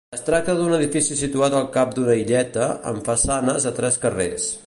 Es tracta d'un edifici situat al cap d'una illeta, amb façanes a tres carrers.